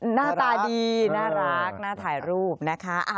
หน้าตาดีน่ารักน่าถ่ายรูปนะคะ